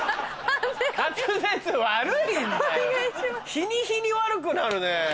日に日に悪くなるね。